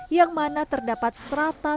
yang mana terdapat strata